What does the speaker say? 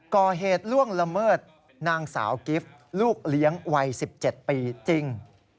ก่อเหตุล่วงละเมิดนางสาวกิฟต์ลูกเลี้ยงวัย๑๗ปีจริง